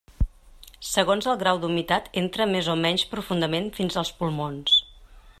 Segons el grau d'humitat entra més o menys profundament fins als pulmons.